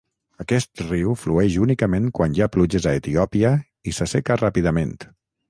Aquest riu flueix únicament quan hi ha pluges a Etiòpia i s'asseca ràpidament.